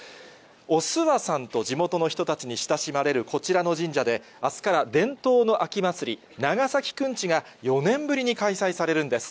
お諏訪さんと地元の人たちに親しまれるこちらの神社で、あすから伝統の秋祭り、長崎くんちが、４年ぶりに開催されるんです。